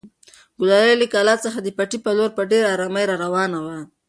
ګلالۍ له کلا څخه د پټي په لور په ډېرې ارامۍ راروانه وه.